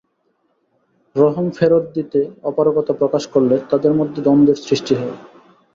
রহম ফেরত দিতে অপারগতা প্রকাশ করলে তাঁদের মধ্যে দ্বন্দ্বের সৃষ্টি হয়।